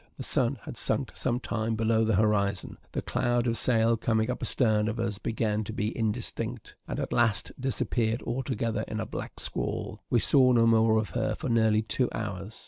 The sun had sunk some time below the horizon; the cloud of sail coming up astern of us began to be indistinct, and at last disappeared altogether in a black squall: we saw no more of her for nearly two hours.